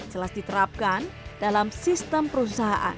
jelas diterapkan dalam sistem perusahaan